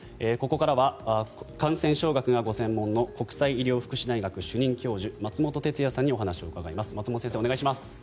ここからは感染症学がご専門の国際医療福祉大学主任教授松本哲哉さんにお話をお伺いします。